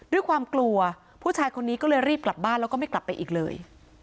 ด้วยความกลัวผู้ชายคนนี้ก็เลยรีบกลับบ้านแล้วก็ไม่กลับไปอีกเลย